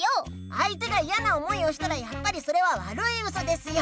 あいてがいやな思いをしたらやっぱりそれはわるいウソですよ！